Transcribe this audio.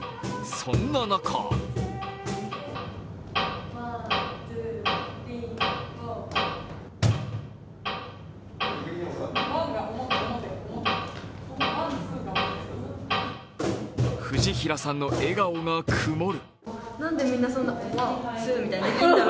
そんな中藤平さんの笑顔が曇る。